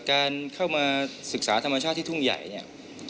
การเข้ามาศึกษาธรรมชาติทุ่งใหญ่